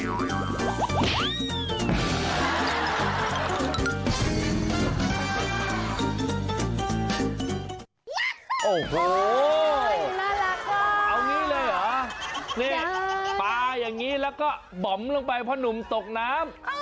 โอ้โหน่ารักค่ะเอางี้เลยเหรอนี่ปลาอย่างนี้แล้วก็บอมลงไปเพราะหนุ่มตกน้ำ